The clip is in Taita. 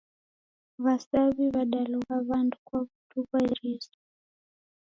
W'asaw'i w'adalogha w'andu kwa w'undu gha iriso.